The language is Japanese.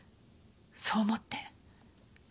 そう思って。